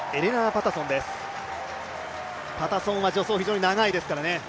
パタソンは助走非常に長いですからね。